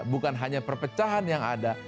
bukan hanya perpecahan yang ada